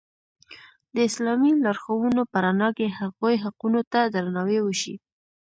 د اسلامي لارښوونو په رڼا کې هغوی حقونو ته درناوی وشي.